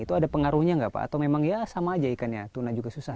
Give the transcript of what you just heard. itu ada pengaruhnya nggak pak atau memang ya sama aja ikannya tuna juga susah